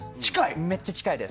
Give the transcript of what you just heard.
めっちゃ近いです。